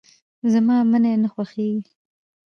زما منی نه خوښيږي.